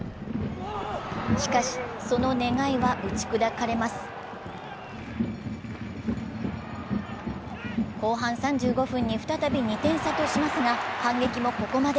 しかし、その願いは打ち砕かれます後半３５分に再び２点差としますが、反撃もここまで。